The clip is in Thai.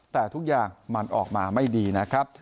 แต่ทุกอย่างมันออกมาไม่ดีนะครับ